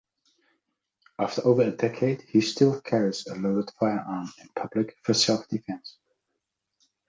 After over a decade, he still carries a loaded firearm in public for self-defense.